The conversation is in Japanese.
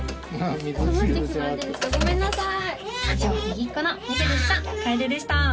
ごめんなさい。